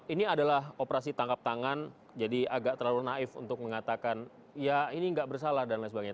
ini adalah operasi tangkap tangan jadi agak terlalu naif untuk mengatakan ya ini nggak bersalah dan lain sebagainya